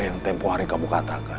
yang tempoh hari kamu katakan